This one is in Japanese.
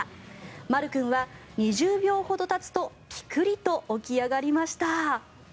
まる君は２０秒ほどたつとピクリと起き上がりました。